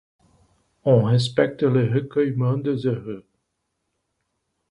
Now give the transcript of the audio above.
On respecte le recueillement des heureux.